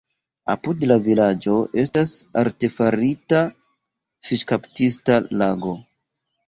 Apud la vilaĝo estas artefarita fiŝkaptista lago.